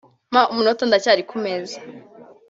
“mpa umunota ndacyari ku meza”